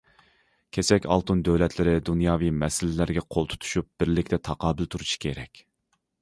كېسەك ئالتۇن دۆلەتلىرى دۇنياۋى مەسىلىلەرگە قول تۇتۇشۇپ بىرلىكتە تاقابىل تۇرۇشى كېرەك.